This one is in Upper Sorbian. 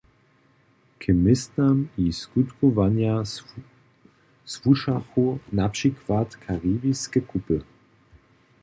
K městnam jich skutkowanja słušachu na přikład Karibiske kupy.